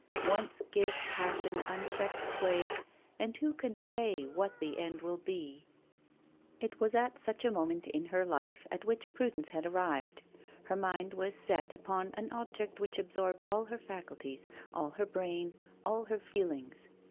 Once give passion unchecked sway, and who can say what the end will be? It was at such a moment in her life at which Prudence had arrived. Her mind was set upon an object which absorbed all her faculties, all her brain, all her feelings.